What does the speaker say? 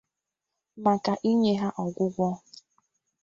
maka inye ha ọgwụgwọ.